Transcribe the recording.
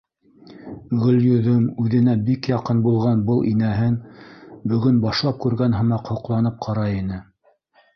Гөлйөҙөм үҙенә бик яҡын булған был инәһен бөгөн башлап күргән һымаҡ һоҡланып ҡарай ине.